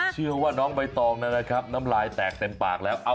เชื่อว่าน้องใบตองนั้นนะครับน้ำลายแตกเต็มปากแล้ว